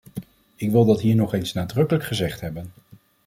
Ik wil dat hier nog eens nadrukkelijk gezegd hebben.